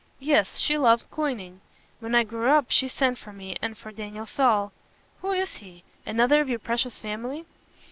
Yes, she loved coining. When I grew up she sent for me and for Daniel Saul " "Who is he? Another of your precious family."